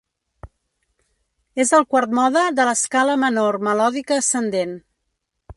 És el quart mode de l'escala menor melòdica ascendent.